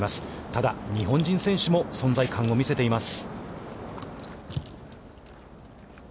ただ、日本人選手も存在感を見せています。